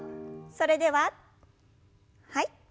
それでははい。